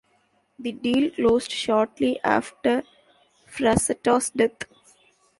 The deal closed shortly after Frazetta's death.